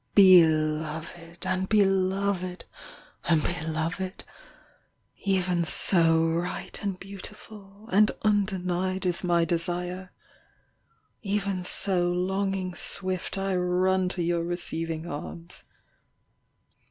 Beloved and Beloved and Beloved, Even so right And beautiful and undenied 21 Is my desire; Even so longing swift I run to your receiving arms.